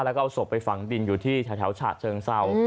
แล้วก็เอาศพไปฝังดินอยู่ที่แถวฉะเชิงเศร้า